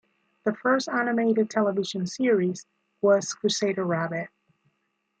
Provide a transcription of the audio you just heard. The first animated television series was "Crusader Rabbit".